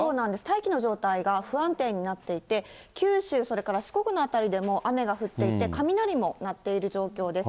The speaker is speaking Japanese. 大気の状態が不安定になっていて、九州、それから四国の辺りでも雨が降っていて、雷も鳴っている状況です。